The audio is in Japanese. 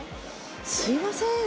すいません。